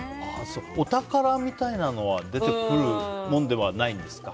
お宝みたいなのは出てくるものではないんですか？